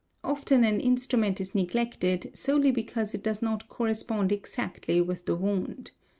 Often an instrument is neglected, solely because it does not correspond exactly with the wound.